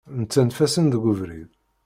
Nettanef-asen deg ubrid.